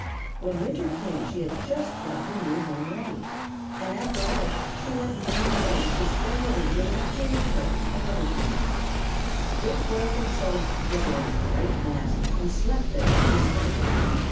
When winter came she had just got her new home ready, and after all she went when invited to spend the winter with a cave party of other Snakes. They coiled themselves together in a great mass and slept there until spring.